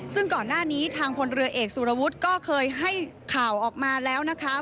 ซึ่งก่อนหน้านี้ทางพลเรือเอกสุรวุฒิก็เคยให้ข่าวออกมาแล้วนะคะ